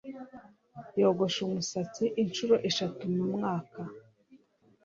yogosha umusatsi inshuro eshatu mu mwaka.